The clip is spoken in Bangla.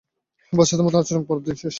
বাচ্চাদের মতো আচরণ পাওয়ার দিন শেষ।